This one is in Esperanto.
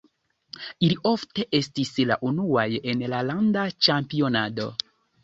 Ili ofte estis la unuaj en la landa ĉampionado.